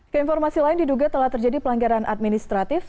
keinformasi lain diduga telah terjadi pelanggaran administratif